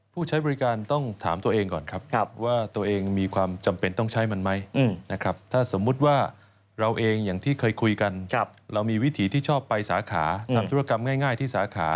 ผู้ใช้บริการต้องถามตัวเองก่อนครับว่าตัวเองมีความจำเป็นต้องใช้มันไหมนะครับถ้าสมมุติว่าเราเองอย่างที่เคยคุยกันเรามีวิถีที่ชอบไปสาขาทำธุรกรรมง่ายที่สาขา